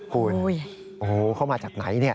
คุณโอ้โหเข้ามาจากไหนเนี่ย